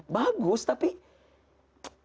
bagus tapi kesempatan melejah